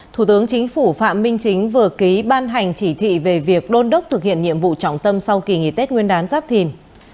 thủ tướng chính phủ phạm minh chính vừa ký ban hành chỉ thị về việc đôn đốc thực hiện nhiệm vụ trọng tâm sau kỳ nghỉ tết nguyên đán giáp thìn